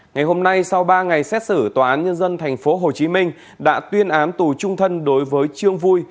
ngày hôm nay sau ba ngày xét xử tòa án nhân dân tp hcm đã tuyên án tù trung thân đối với trương vui